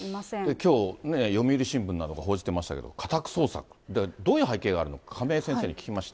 きょう、読売新聞なども報じてましたけど、家宅捜索、どういう背景があるのか、亀井先生に聞きました。